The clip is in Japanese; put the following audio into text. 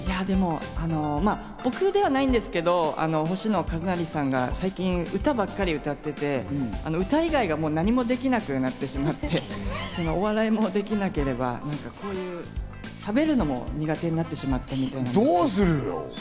僕ではないんですけど星野一成さんが最近歌ばかり歌っていて、歌以外がもう何もできなくなってしまって、お笑いもできなければ、しゃべるのも苦手になってしまっていて。